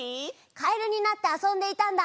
かえるになってあそんでいたんだ！